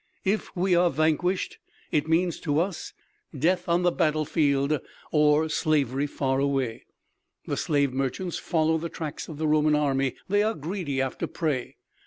If we are vanquished it means to us death on the battle field, or slavery far away! The slave merchants follow the tracks of the Roman army; they are greedy after prey.